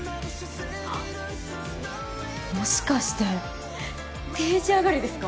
あっもしかして定時上がりですか？